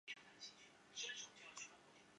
游戏分为单人游戏模式和对战模式。